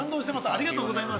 ありがとうございます！